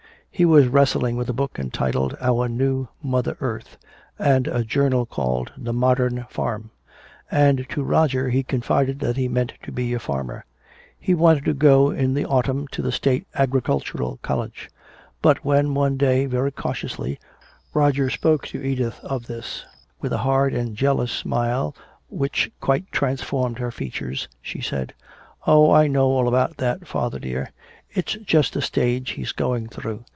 He was wrestling with a book entitled "Our New Mother Earth" and a journal called "The Modern Farm." And to Roger he confided that he meant to be a farmer. He wanted to go in the autumn to the State Agricultural College. But when one day, very cautiously, Roger spoke to Edith of this, with a hard and jealous smile which quite transformed her features, she said, "Oh, I know all about that, father dear. It's just a stage he's going through.